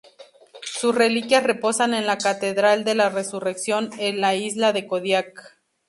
Sus reliquias reposan en la Catedral de la Resurrección en la isla de Kodiak.